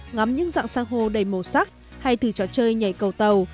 ngắm những dặng san hô đầy màu sắc hay thử trò chơi nhảy cầu tàu